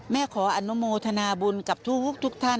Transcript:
ขออนุโมทนาบุญกับทุกท่าน